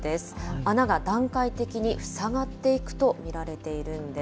穴が段階的に塞がっていくとみられているんです。